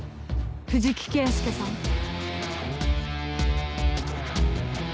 藤木圭介さん。